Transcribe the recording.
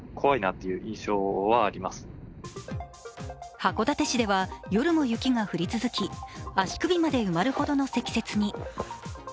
函館市では夜も雪が降り続き足首まで埋まるほどの積雪に。